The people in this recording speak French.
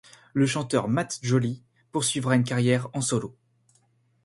Le chanteur Mat Joly poursuivra une carrière en solo.